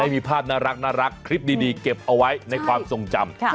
มีภาพน่ารักคลิปดีเก็บเอาไว้ในความทรงจำ